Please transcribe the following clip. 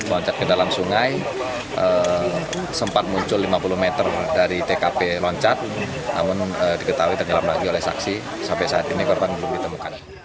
loncat ke dalam sungai sempat muncul lima puluh meter dari tkp loncat namun diketahui tenggelam lagi oleh saksi sampai saat ini korban belum ditemukan